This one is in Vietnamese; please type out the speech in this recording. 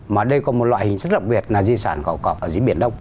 mà đây có một loại hình rất đặc biệt là di sản khảo cọp ở dưới biển đông